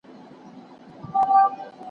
ما رسول اکرم صلی الله عليه وسلم ندی ليدلی.